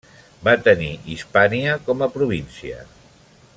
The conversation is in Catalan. Va tenir Hispània com a província.